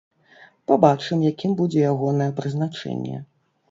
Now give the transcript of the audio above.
Пабачым, якім будзе ягонае прызначэнне.